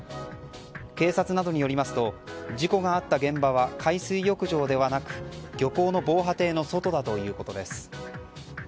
警察などによりますと事故があった現場は海水浴場ではなく漁港の防波堤の外だということです。